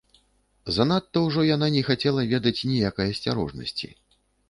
Занадта ўжо яна не хацела ведаць ніякай асцярожнасці.